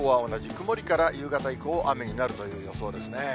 曇りから夕方以降、雨になるという予想ですね。